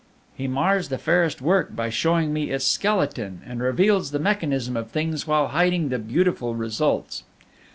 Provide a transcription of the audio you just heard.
He mars the fairest work by showing me its skeleton, and reveals the mechanism of things while hiding the beautiful results.